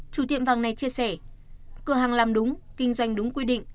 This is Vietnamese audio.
chủ tiệm vàng này chia sẻ cửa hàng làm đúng kinh doanh đúng quy định